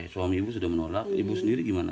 suami ibu sudah menolak ibu sendiri gimana